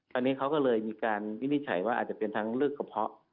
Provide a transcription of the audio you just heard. ตอนนี้เขาก็เลยมีการวินิจฉัยว่าอาจจะเป็นทั้งเลือกกระเพาะ